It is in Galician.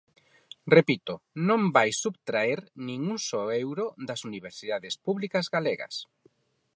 Repito, non vai subtraer nin un só euro das universidades públicas galegas.